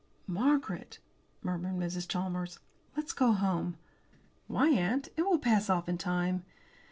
"Margaret," murmured Mrs. Chalmers, "let's go home." "Why, aunt? It will pass off in time."